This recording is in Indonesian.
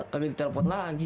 kali ini di telpon lagi